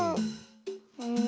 うん。